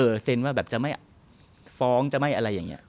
เซ็นว่าแบบจะไม่ฟ้องจะไม่อะไรอย่างนี้